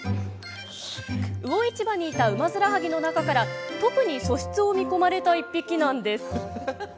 魚市場にいたウマヅラハギの中から、特に素質を見込まれた１匹なんです。